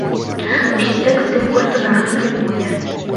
Усе тэксты гурта на рускай мове.